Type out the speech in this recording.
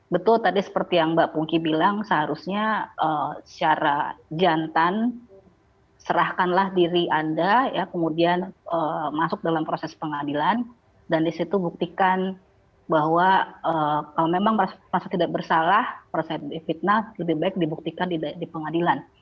betul tadi seperti yang mbak pungki bilang seharusnya secara jantan serahkanlah diri anda ya kemudian masuk dalam proses pengadilan dan disitu buktikan bahwa kalau memang merasa tidak bersalah proses di fitnah lebih baik dibuktikan di pengadilan